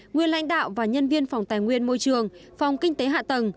nguyên lãnh đạo và nhân viên phòng tài nguyên môi trường phòng kinh tế hạ tầng